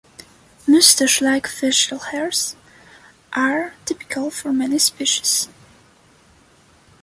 Mustache-like facial hairs are typical for many species.